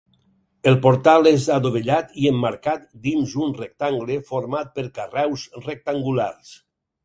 El portal és adovellat i emmarcat dins un rectangle format per carreus rectangulars.